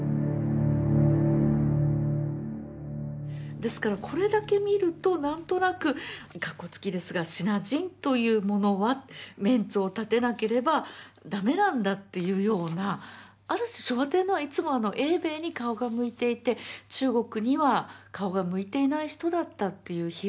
ですからこれだけ見ると何となく括弧付きですが「支那人」というものはメンツを立てなければ駄目なんだっていうようなある種昭和天皇はいつも英米に顔が向いていて中国には顔が向いていない人だったという批判はあると思うんですね。